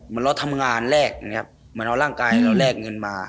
เราทำงานแลกนะครับเหมือนเอาร่างกายเราแลกเงินมา